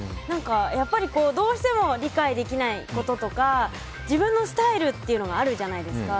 やっぱり、どうしても理解できないこととか自分のスタイルっていうのがあるじゃないですか。